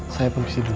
saya pengisi dulu saya